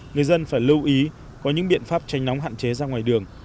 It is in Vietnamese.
người dân phải lưu ý có những biện pháp tranh nóng hạn chế ra ngoài đường